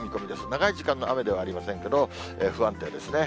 長い時間の雨ではありませんけど、不安定ですね。